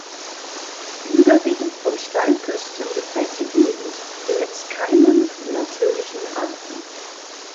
Die überwiegend von Steilküsten geprägte Gegend besitzt keinen natürlichen Hafen.